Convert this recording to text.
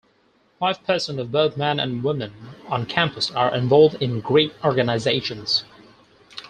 Five percent of both men and women on campus are involved in Greek organizations.